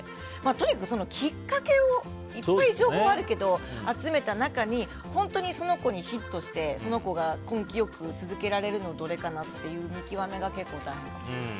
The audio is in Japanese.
とにかくきっかけをいっぱい情報はあるけど集めた中に本当にその子にヒットしてその子が根気よく続けられるのはどれかなという見極めが結構大変ですね。